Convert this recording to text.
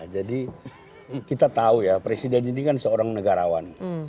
kita tahu ya presiden ini kan seorang negarawan